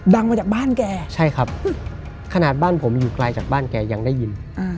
มาจากบ้านแกใช่ครับขนาดบ้านผมอยู่ไกลจากบ้านแกยังได้ยิน